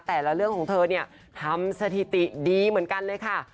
แต่ละเรื่องของเธอเนี่ยทำสถิติดีเหมือนกันเลยค่ะ